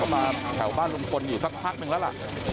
มาแถวบ้านลุงพลอยู่สักพักนึงแล้วล่ะ